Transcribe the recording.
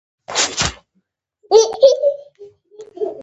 احمد ښه اس وهي.